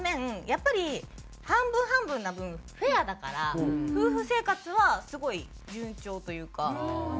やっぱり半分半分な分フェアだから夫婦生活はすごい順調というか。